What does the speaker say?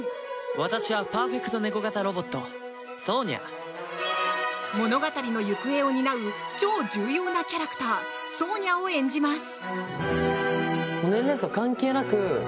私はパーフェクトネコ型ロボット物語の行方を担う超重要なキャラクターソーニャを演じます。